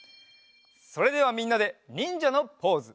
それではみんなでにんじゃのポーズ！